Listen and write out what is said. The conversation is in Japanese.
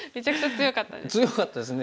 強かったですね。